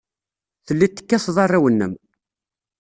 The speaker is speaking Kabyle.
Telliḍ tekkateḍ arraw-nnem.